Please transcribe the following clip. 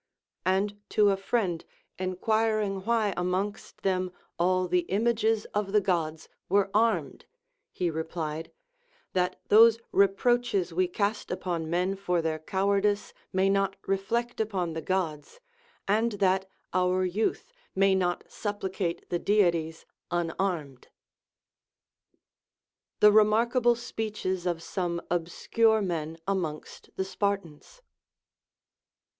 And to a friend enquiring Avhy amongst them all the images of the Gods were armed he replied, That those reproaches we cast upon men for their cowardice may not reflect upon the Gods, and that our youth may not suppli cate the Deities unarmed. THE REMARKABLE SPEECHES OF SOME OBSCURE MEN AMONGST THE SPARTANS.